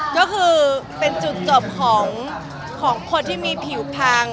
ก็คือเป็นจุดจบของคนที่มีผิวพัง